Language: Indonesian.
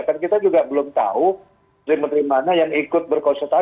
kan kita juga belum tahu menteri menteri mana yang ikut berkonsultasi